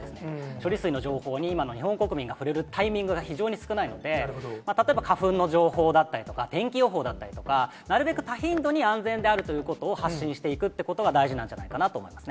処理水の情報に、今の日本国民が触れるタイミングが非常に少ないので、例えば花粉の情報だったりとか、天気予報だったりとか、なるべく多頻度に安全であるということを発信していくということが大事なんじゃないかなと思いますね。